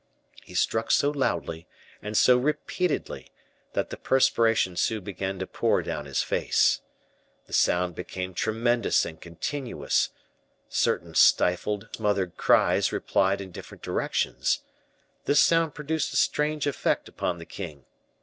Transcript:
He struck so loudly, and so repeatedly, that the perspiration soon began to pour down his face. The sound became tremendous and continuous; certain stifled, smothered cries replied in different directions. This sound produced a strange effect upon the king.